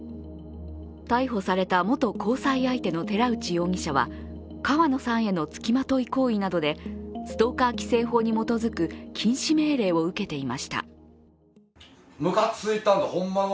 逮捕された元交際相手の寺内容疑者は川野さんへのつきまとい行為などでストーカー規制法に基づく禁止命令を受けていました。